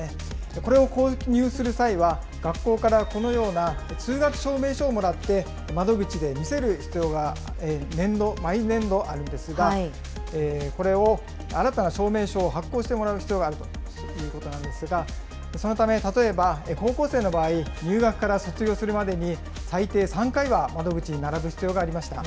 これを購入する際は、学校からこのような通学証明書をもらって、窓口で見せる必要が、毎年度あるんですが、これを新たな証明書を発行してもらう必要があるということなんですが、そのため、例えば、高校生の場合、入学から卒業するまでに最低３回は窓口に並ぶ必要がありました。